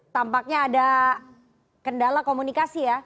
tampaknya ada kendala komunikasi ya